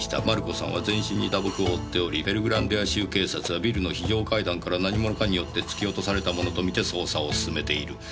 「マルコさんは全身に打撲を負っておりペルグランディア州警察はビルの非常階段から何者かによって突き落とされたものと見て捜査を進めている」